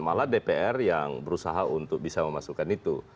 malah dpr yang berusaha untuk bisa memasukkan itu